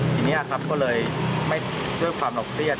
ทีนี้ครับก็เลยด้วยความเราเครียด